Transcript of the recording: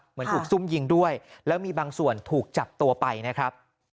เหมือนถูกซุ่มยิงด้วยแล้วมีบางส่วนถูกจับตัวไปนะครับ